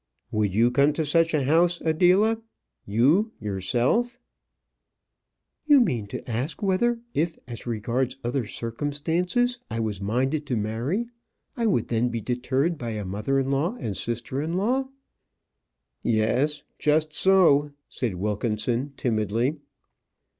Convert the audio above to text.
"Would you come to such a house, Adela? You, you yourself?" "You mean to ask whether, if, as regards other circumstances, I was minded to marry, I would then be deterred by a mother in law and sister in law?" "Yes, just so," said Wilkinson, timidly.